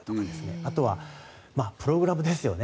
あとはプログラムですよね。